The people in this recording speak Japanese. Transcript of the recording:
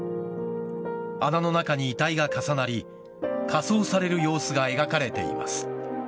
穴の中に遺体が重なり火葬される様子が描かれています。